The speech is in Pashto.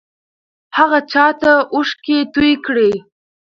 هغه چا ته اوښکې توې کړې؟